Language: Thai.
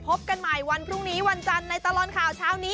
พบกันใหม่วันพรุ่งนี้วันจันทร์ในตลอดข่าวเช้านี้